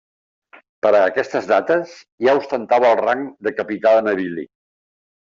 Per a aquestes dates ja ostentava el rang de capità de navili.